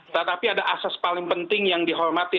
tetapi ada asas paling penting yang dihormati